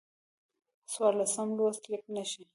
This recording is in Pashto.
څوارلسم لوست: لیک نښې